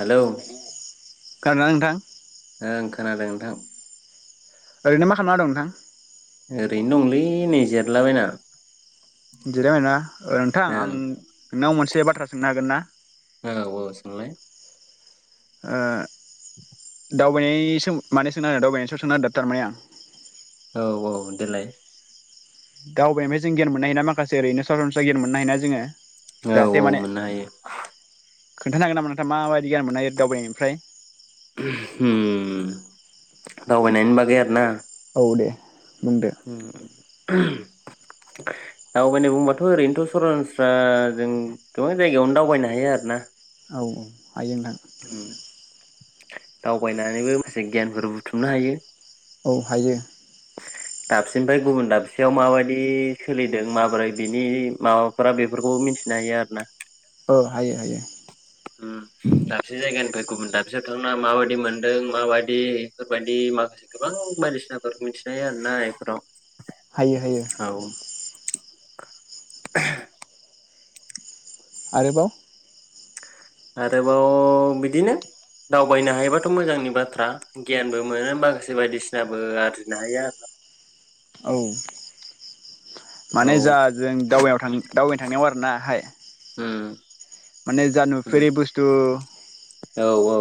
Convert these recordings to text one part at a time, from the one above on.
Hello गारनानै थां हो खोनादों नोंथां ओरैनो मा खालामना दं नोंथां ओरैनो दंलै नै जिरायलाबायना जिरायबायना नोंथां आं ओं नोंनाव मोनसे बाथ्रा सोंनो हागोन ना औ औ सोंलाय ओ [inaudible] दावबायनायसो माने सोंनों दावबायनायसो सोंनों नागिरदों थारमाने आं औ औ देलाय दावबायानिनिफ्राय जों गियान मोन ह [unintelligible] न मा ओरैनो सरासनस्रा गयान मोननो हायना जोङो औ औ मोननो हायो खोनथानो हागोन नामा नोंथाङा माबाय [unintelligible] बिदि गियान मोननाय दावबायनायनिफ्राय उम दावबायनायनि बागै‌ आरोना औ दे बुंदो ओ [unintelligible] [inaudible] बायनाय बुंबाथ ओरैनोथ सरानस्रा जों गोबां जायगायावनो दावबायनो हायो आरो ना औ औ हायो नों दावबायनानैबो माखासे गियानफोर बुथुमनो हायो औ हायो दाबसेनिफ्राय गुबुन दाबसेयाव माबायदि सोलिदों माबोरै बिनि माबाफोरा बेफोरखौ मिथिनो हायो आरो ना औ हायो हायो उम दाबसे जायगानिफ्राय गुबुन दाबसेयाव थांना माबायदि मोनदों माबायदि बेफोरबायदि माखासे गोबां बायदिसिनाफोरखौ मिथिनो हायो आरोना बेफोराव हायो हायो औ आरोबाव आरोबाव बिदिनो दावबायनो हायोबाथ मोजांनि बाथ्रा गियानबो मोनो माखासे बायदिसिनाबो आरजिनो हायो आरो ना औ आरो माने जा जों दावबायाव थां दावबायनो थांनायाव आरोना हाय उम माने जा उम नुफेरि बुस्थु औ औ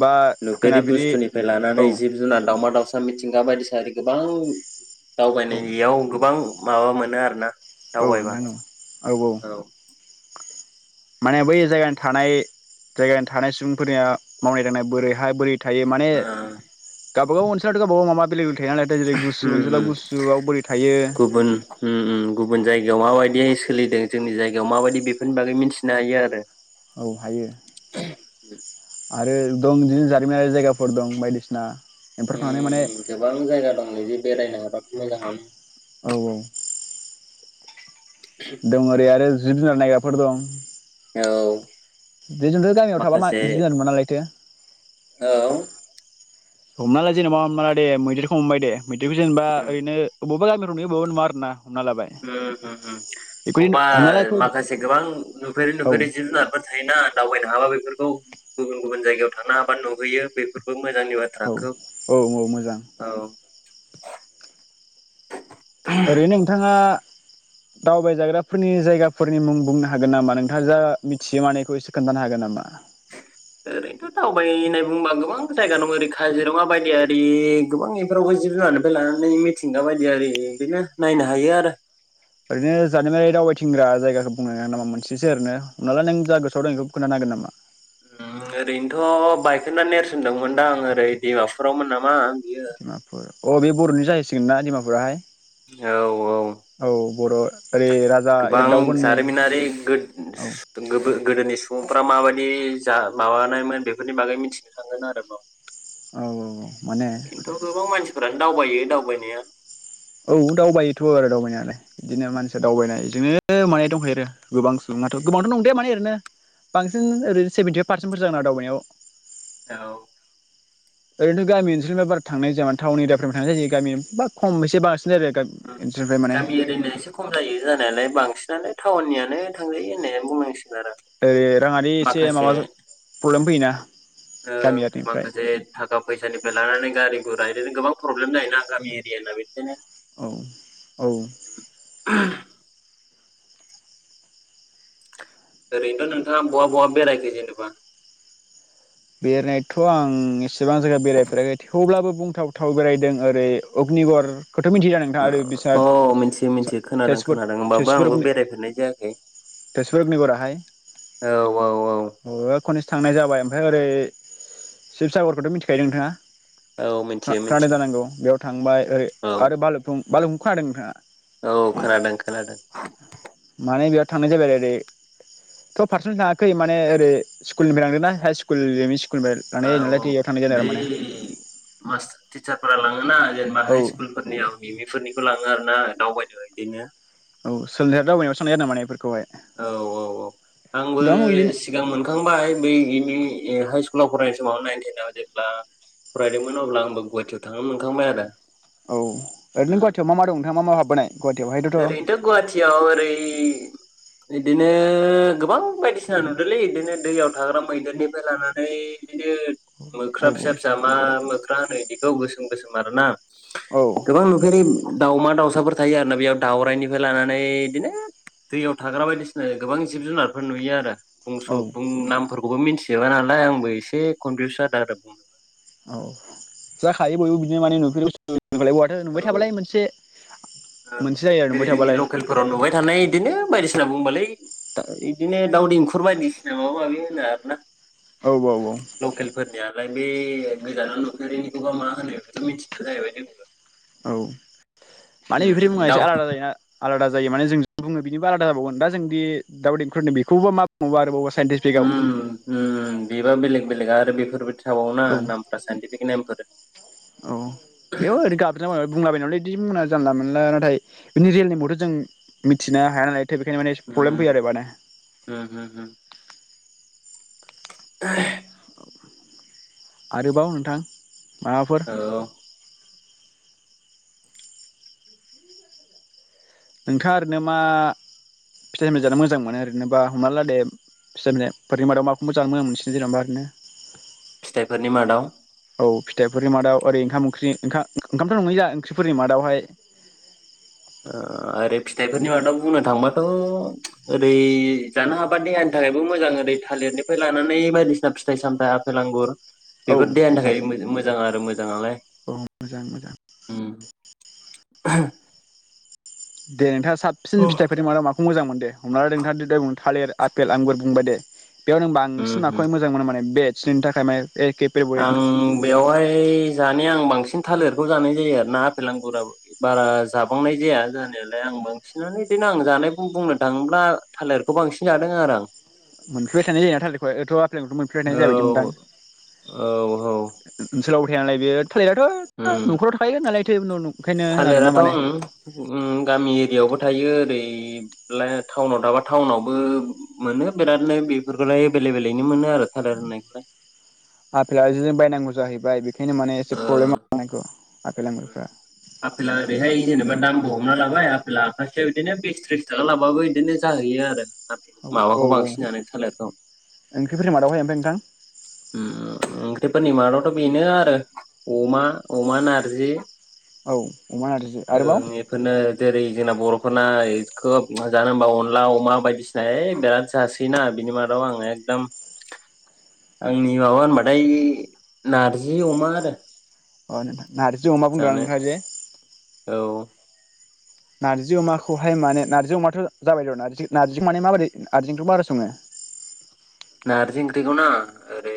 बा नुफेरि खोनाफेरि बुस्थुनिफ्राय लानानै औ जिब जुनार दावमा दाव साम मिथिंगा बादि सारि गोबां औ दावबायनाययाव गोबां माबा मोनो आरो ना औ नोंथां औ औ औ माने बै जायगानि थानाय जायगानि थानाय सुबुंफोरनिया मावनाय दांनाय बोरैहाय बोरै थायो माने गाबागाव ओनसोल गावबा-गाव माबा बेलेग बे ओम ओम थायो गुबुन ओम ओम गुबुन जायगायाव माबायदि मे सोलिदो जोंनि जायगायाव माबायदि बेफोरनि बागै मिथिनो हायो आरो औ हायो आरो दं बिदिनो जारिमिनारि जायगाफोर दं बायदिसिना बेफोरखौ माने माने ओम गोबां जायगा दं बिदि बेरायनो हाबा मोजाङानो औ औ दं ओरै आरो जिब जुनार नायग्राफोर दं औ बेजोंथ गामियाव थाबा माखासे मा-जिब जुनार नुवा नालायथो औ हमना ला जेनेबा हमनाला दे मैदेरखौ हमबाय दे मैदेरखो जेनबा ओरैनो बबबा गामो [unintelligible] ओ ओ बबेबा हमना ला बेखौ माखासे गोबां नुफेरै औ नुफेरै जिब जुनारफोर थायोना दावबायनो हाबो बेफोरखौ गुबुन गुबुन जायगायाव थांनो हाबा नुहैयो बेफोरखौ मोजांनि औ बाथ्रा खोब औ औ मोजां औ ओरै नोंथाङा दावबायजाग्राफोरनि जायगाफोरनि मुं बुंनो हागोन नामा नोंथाङा जा मिथियो मानखौ एसे खोन्थानो हागोन नामा ओरैनोथ दावबाय होननाय बुंबा गोबां जायगा दं ओरै काजिरङा बायदि आरि गोबां बेफोरावबो जिब जुनारनिफ्राय लानानै मिथिंगा बायदि आरि बिदिनो नायनो हायो आरो ओरैनो जानायमाय दावबायथिंग्रा जायगाखौ बुंनो नागा नामा मोनसेस ओरै हनला नों जा गोसोआव दं बेखौ खोनथानोागोन नामा ओरैनोथ बायखोना नेरसनदोंमोनदां ओरै डिमापुरावमोन नामा बियो डिमापुर अ बे बरनि जायोैसै [unintelligible] औ औ बर' ओरै राजा गोबां इरागदावफोरनि जारिमिनारि औ गोद गोदोनि सुबुंफ्रा माबायदि जा माबानायमोन बेफोरनि बागै मिथिनो थांगोन आरोबा औ औ माने दाव दावबायो दावबायनाया औ दावबायायोथ आरो दावबायनायालाय बिदिनो मानसिया दावबायनाय जोंनो माय दंखैयो आरो गोबां सुबुङाथ गोबांथ दं दे मान ओरैनो बांसिन ओरै सेभेन्टि फाइभ पार्सेन्टफोर जागोन आरो दावबायनायाव औ ओरैनोथ गामि ओनसोलफ्राय बारा थांनाय जाया मा टाउनियानिफ्र थांनाय जायो गामियाव बा खम एसे बांस गामि एरिनो एसे खम जायो जानायालाय बांसिन दाना टाउननियानो थांजायो होननाया बुंलांसै ओरै राङारि एसे माखसे माबा प्रब्लेम फैयोना ओ गामियारिनिफ्राय माखासे थाखा फैसानिफ्राय लानानै गारिखौ राय बिदिनो गोबां प्रब्लेम जायोना गामि एरियाना बिदिनो औ औ ओरैनोथ नोंथाङा बहा बहा बेरायखो जेनेबा बेरायनायथ आं एस बां जायगा बेरायफेराखै थेवब्लाबो बुंथाव थाव बेरायदों ओरै अग्निगऱ औ मिथियो मिथियो खोनादों तेजपुर खोनादों होनोमबाबो तेजपुर आंबो बेरायफेरनाय जायाखै तेजपुर अग्निगराहाय औ औ औ अ खननैसो थांनाय जाबाय ओरै शिबसागरखौथ मिथिखायो नोंथाङा औ मिथियो खानादों मिथियो जानांगौ बेयाव थांबाय ओरै औ आरो बालुफुं बारहुंखा हादों ना औ खोनादों खोनादों। माने बेयाव थांनाय जाबाय आरो ओरै थ फारसेनेल थाङाखै माने ओरै स्कुलनिफ्राय लांदोंना हाइस्कुल [unintelligible] औ औ बै मास टिचारफोरा लाङोना जेनेबा औ हाइ स्कुलफोरनियाव मिमि फोरनिखौ लाङो आरो ना। दावबायदो बिदिनो। औ [unintelligible] माने बेफोर औ औ औ आंबो दं बिदिनो सिगां मोनखांबाय बै [unintelligible] हाइ स्कुलाव फरायनाय समाव नाइन टेनाव जेब्ला फरायदोंमोन अब्ला आंबो गुवाहाटियाव थांनो मोनखांबाय आदा। औ ओरैनो गुवाहाटियाव मा मा दं नोंथां मा हायाव हाब ओरैनोथ गुवाहाटियाव ओरै बिदिनो गोबां बायदिसिना नुदोलै बिदिनो दैयाव थाग्रा मैदेरनिफ्राय लानानै बिदिनो मोख्रा फिसा फिसा मा मोख्रा होनो इखौ गोसोम गोसोम आरोना औ गोबां नुफेरै दाउमा दाउसाफोर थायो आरो ना बेयाव। दावरायनिफ्राय लानानै बिदिनो दैयाव थाग्रा बायदिसिना गोबां जिब जुनारफोर नुयो आरो। बुंस औ बुं नामफोर बबो मिन्थिजोबा नालाय आंबो एसे कनफिउस जादों आरो बुंनो जाखायो बयबो बिदिनो मानि नुफेरै बस्तु [unintelligible] नुबाय औ थाबालाय मोनसे मोनसे जायो आरो जेरै नुबाय जोंनि थाबालाय लकेलफोराव नुबाय थानाय बिदिनो बायदिसिना बुमबायलै [unintelligible] बिदिनो दाव देंखुर बायदिसिना माबा माबि होनो आरो ना। औ [unintelligible] लाय बे गोजानाव नुफेरिनिखौबा मा होनो बेखौथ मिथिला जाहैबाय जोंबो। औ माने बेफोरनि उम मुङा एसे दाउ आलादा जायो ना आलादा जायो माने जों बुङो बिनिबो आलादा जाबावगोन दा जों दि दाव देंखुर बुङो दि बेखौबो मा बुंबाव आरोबावबा। उम उम बेबा बेलेग बेलेग आरो बेफोर औ बेयाव ओरै गाबज्रिला बुंलाबायनलै बिदि मना जानला मोनला नाथाय बिनि रियेल नेमखौथ‌ जों मिथिनो हाया नालाय। थिग बेखायनो इसे माने प्रब्लेम उम फैयो आरो माने। उम उम उम [unintelligible] आरोबाव नोंथां। माबाफोर औ नोंथाङा ओरैनो मा फिथाइ मजानो मोजां मोनो ओरैनोबा हमना ला दे फिथाइ बनि मादायाव माखौ मोजां मोनो मोनसनि जेनेब ओरैनो। फिथाइफोरनि मादाव औ फिथाइफोरनि मादाव ओरै ओंखाम ओंख्रि ओंखा-ओंखामथ नङैला ओंख्रिफोरनि मादावहाय आरो फिथाइफोरनि मादाव बुंनो थांबाथ ओरै जानो हाबा देहानि थाखायबो मोजां ओरै थालिरनिफ्राय लानानै बायदिसिना फिथाइ सामथाइ आफेल आांगुर। औ बेफोर देहानि मोजां थाखाय मोजां आरो मोजाङालाय। औ मोजां मोजां दे नोंथा साबसिन फिथाइफोरनि मादाव माखौ मोजां मोनोदे? हमना ला नोंथांङा दि दहाय थालेर आपेल आंगुर बुंबाय दे बेयाव नों बांसिन उम माखौहाय मोजां मोनो माने बेट। सिनिनो थाखाय मायो आं बेवहाय जानाया आं बांसिन थालेरखौ जानाय जायो आरो ना आफेल आंगुरा बारा जाबांनाय जाया जानायालाय आं बांसिनानो बिदिनो आं जानायखौ बुंनो थाङोब्ला थालिरखौ बांसिन जादों आरो आं। मोनफैबाय थानाय जायोना थालिरखौहाय एथ [unintelligible] मोनफेरनाय जायाबायदि मोनदां। औ औ औ सोलावबो थाया नालाय बेयो थालेराथ उम नखरावथ थाखायो नालाय [unintelligible] थालिराथ उम उम गामि एरियायावबो थायो ओरै [unintelligible] थाउनाव थाबा थाउनावबो मोनो बेरादनो बेफोरखोलाय एबेलेबेलैनो। आफेेलाबो बिदिनो बायनांगौ जाहैबाय बेखायनो माने एसे ओ प्रब्लेम मावनायखौ। आफेला ओरैहाय जेनेबा दाम हमना लाबाय आफेला आखासेयाव बिदिनो बिस थ्रिसथाखा लाबाबो बिदिनो जाहैयो आरो। माबाखौ बांसिन जानो थालिरखौ ओंख्रिफोरनि मादावहाय ओमफ्राय नोंथां? थ बेनो आरो अमा अमा नारजि औ अमा नारजि आरोबाव ओं एफोरनो जेरै जोंना बर नाय खोब जानो होमबा अनला अमा बायदिसिना ओइ बिराद जासोयोना बिनि मादाव आङो एकदम आंनि माबा होनबाथाय नारजि अमा आरो। अ नोंथां। नारजि अमा बुंदों जानो नोंथाङा जे। औ नारजि अमाखौहाय माने नार्जि अमाथ जाबाय र नारजि-नारजिखौ माने माबदि नारजिओंख्रिखौ मारै सङो? नार्जि ओंख्रिखौ ना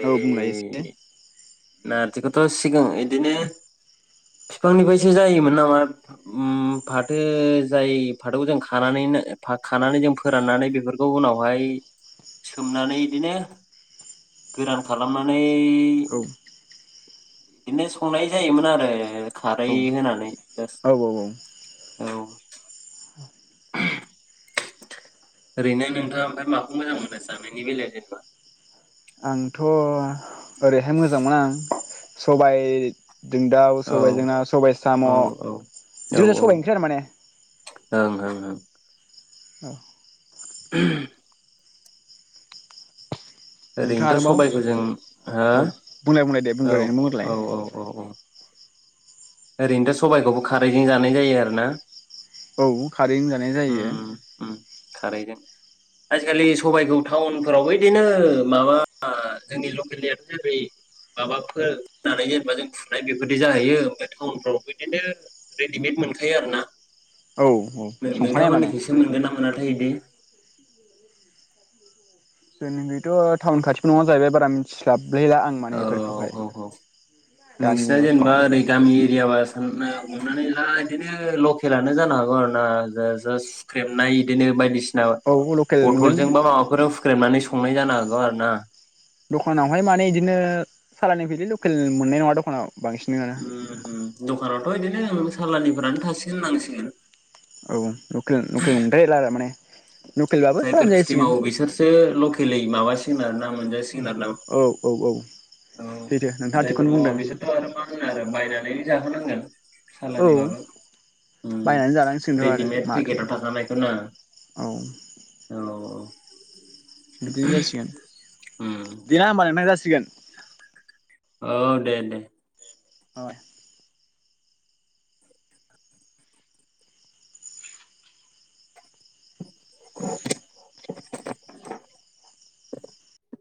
औ बुंलायो एसेे। नारजिखौथ सिगां इदिनो फिफांनिफ्रायसो जायोमोन नामा फाथो जाय फाथोखौ जों खानानै खानानै जों फोराननानै बेफोरखौ उनावहाय सोमनानै बिदिनो गोरान खालामनानै औ बिदिनो संनाय जायोमोन आरो खारै औ होनानै। जास्ट औ औ औ। औ ओरैनो नोंथाङा ओमफ्राय माखौ मोजां मोनो जानायनि बेलायाव जेनेबा? आंथ ओरैहाय मोजां मोना सबाइ जों दाउ औ सबाइ जों ना सबाइ साम औ औ औ जोखिजाया सबाइ ओंख्रि आरो माने। ओं ओं ओं। औ। [unintelligible] नोंथाङा ओरैनोथ आरोबाव सबायखौ जों हो औ बुंलाय बुंलाय दे बुंग्रोनानै बुंग्रोलाय औ औ औ औ औ। ओरैनोथ सबाइखौबो खारैजों जानाय जायो आरो ना। औ खारैजों जानाय जायो। आजि खालि सबाइखौ टाउनफोरावबो बिदिनो माबा जोंनि लकेलनियाथ जेरै माबाफोरनानै जेनेबा जों फुनाय बेफोरबायदि जाहैयो ओमफाय टाउनफ्राव बिदिनो रेडिमेद मोनखायो आरो ना। औ औ संखानाय माने नो-नोंथांमोननिखौसो मोनगोन ना मोना थाय इदि जोंनिनिथ टाउन खाथिबो नङा जाहैबाय बारा मिथिस्लाब औ औ औ नोंसिना गामियावसो जेनेबा थानाय ओरै गामि एरियाव साननो हमनानै ला बिदिनो ल खेलानो जानो हागौ आरो ना जा-जा सुख्रेबनाय इदिनो बायदिसि औ [unintelligible] लकेल मोनगोन बथलजों बा माबाफोराव हुख्रेमनानै स संनाय जानो हागौ आरो ना। दखानावहाय माने इदिनो सालानि फैयोलै लकेल मोननाय नङा दखानाव।। बांसिनानो दखानाव‌ थ इदिनो सालानिफ्रानो थासिगोन होननांसिगोन। औ लकेल लकेल नंद्रायला आरो माने लकेलबाबो सालानि जायफोर खिथि जाहैसिगोन मावो बिसोरसो लकेेलयै माबा सिगोन आरो ना मोनजा सिगोन आरो औ औ औ ना। सैथो नोंथाङा जायफोर थिगखौनो मावा बुंदों बिसोरथ‌ आरो मा होनो आरो बायनानै जाहो नांगोन। औ सालानिबाबो बायनानै जानांसिगोनथ' आरो रेडिमेड माथो पेकेटाव थाखानायखौ ना। बिदि जासिगोन उम देना सिगोन औ दे दे। [unintelligible] [inaudible]